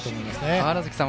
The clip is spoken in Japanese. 川原崎さん